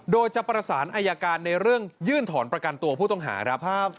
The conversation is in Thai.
โดยจะประสานอายการในเรื่องยื่นถอนประกันตัวผู้ต้องหาครับ